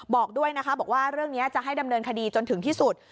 บอกด้วยนะคะบอกว่าเรื่องนี้จะให้ดำเนินคดีจนถึงที่สุด